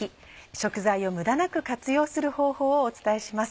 食材を無駄なく活用する方法をお伝えします。